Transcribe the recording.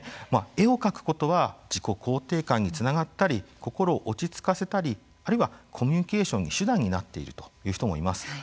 絵を描くことは自己肯定感につながったり心を落ち着かせたり、あるいはコミュニケーションの手段になっているという人もいます。